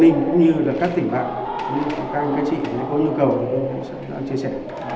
ninh cũng như là các tỉnh bạn cũng như các các trị có nhu cầu sẽ chia sẻ